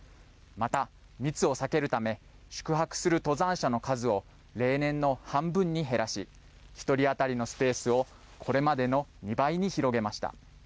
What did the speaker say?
また密を避けるため宿泊する登山者の数を例年の半分に減らし１人当たりのスペースをこれまでの２倍に広げました。